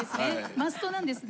マストなんですね。